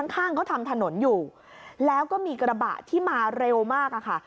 ข้างเขาทำถนนอยู่แล้วก็มีกระบะที่มาเร็วมากอะค่ะ